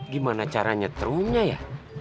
gimana caranya trunya ya